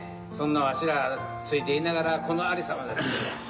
そんなわしら付いていながらこのありさまですけど。